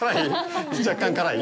若干辛い？